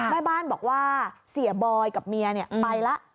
แม่บ้านบอกว่าเสียบอยกับเมียไปแล้ว